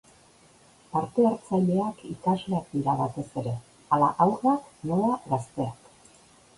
Parte-hartzaileak ikasleak dira batez ere, hala haurrak nola gazteak.